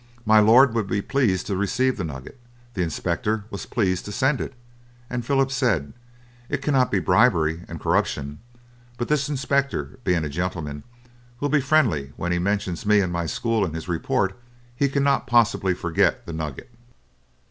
My lord would be pleased to receive the nugget, the inspector was pleased to send it, and Philip said "it cannot be bribery and corruption, but this inspector being a gentleman will be friendly. When he mentions me and my school in his report he cannot possibly forget the nugget."